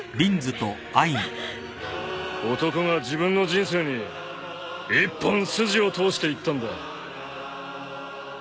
男が自分の人生に一本筋を通して逝ったんだ。